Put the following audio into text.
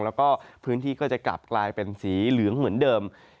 แล้วก็พื้นที่ก็จะกลับกลายเป็นสีเหลืองเหมือนเดิม